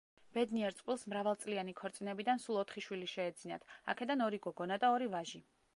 ბედნიერ წყვილს, მრავალწლიანი ქორწინებიდან სულ ოთხი შვილი შეეძინათ, აქედან ორი გოგონა და ორი ვაჟი.